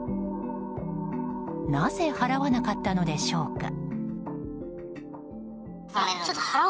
なぜ払わなかったのでしょうか。